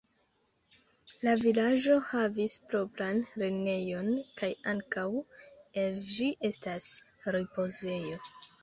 La vilaĝo havis propran lernejon, kaj ankaŭ el ĝi estas ripozejo.